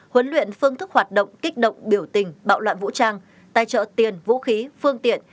huấn luyện phương thức hoạt động kích động biểu tình bạo loạn vũ trang tài trợ tiền vũ khí phương tiện